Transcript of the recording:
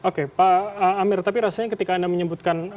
oke pak amir tapi rasanya ketika anda menyebutkan